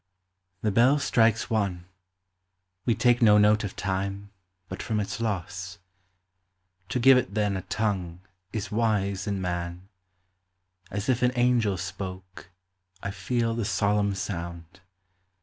The bell strikes one : we take no note of time, But from its loss. To give it, then, a tongue, Is wise in man. As if an angel spoke, I feel the. solemn sound.